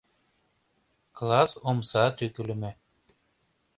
Класс омса тӱкылымӧ.